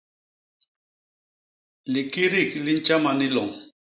Likidik li ntjama ni loñ.